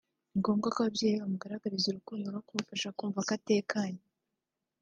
ni ngombwa ko ababyeyi be bamugaragariza urukundo no kumufasha kumva ko atekanye